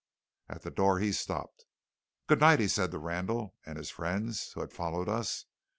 At the door he stopped. "Good night," he said to Randall and his friends, who had followed us.